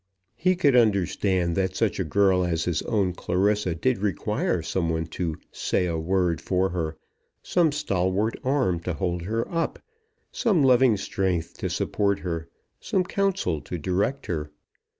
He could understand that such a girl as his own Clarissa did require some one "to say a word for her," some stalwart arm to hold her up, some loving strength to support her, some counsel to direct her.